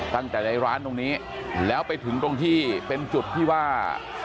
ตั้งแต่ในร้านตรงนี้แล้วไปถึงตรงที่เป็นจุดที่ว่า